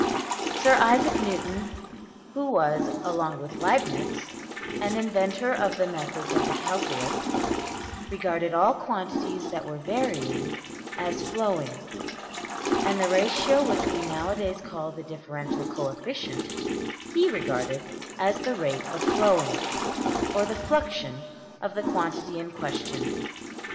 Sir Isaac Newton, who was (along with Leibnitz)\DPnote{, not Leibniz} an inventor of the methods of the calculus, regarded all quantities that were varying as \emph{flowing}; and the ratio which we nowadays call the differential coefficient he regarded as the rate of flowing, or the \emph{fluxion} of the quantity in question.